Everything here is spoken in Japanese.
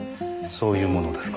そういうものですか？